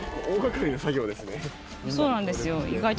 そうなんですよ。